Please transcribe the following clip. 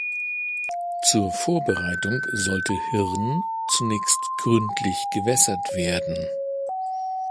Zur Vorbereitung sollte Hirn zunächst gründlich gewässert werden.